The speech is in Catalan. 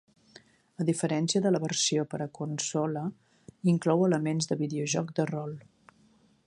A diferència de la versió per a consola, inclou elements de videojoc de rol.